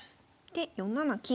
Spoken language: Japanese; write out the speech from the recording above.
で４七金。